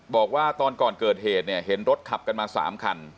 บอกว่าตอนก่อนเกิดเหตุเนี่ยเห็นรถขับกันมา๓คัน